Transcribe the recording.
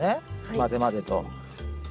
混ぜ混ぜと。